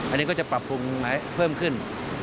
อันนี้ก็จะปรับภูมิให้เพิ่มขึ้น